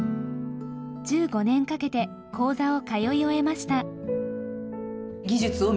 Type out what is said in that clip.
１５年かけて講座を通い終えました。